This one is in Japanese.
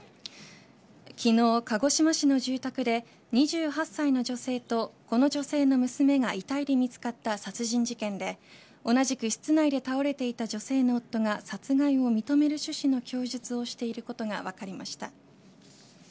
昨日、鹿児島市の住宅で２８歳の女性とこの女性の娘が遺体で見つかった殺人事件で同じく室内で倒れていた女性の夫が殺害を認める趣旨の供述をしていることが分かりました。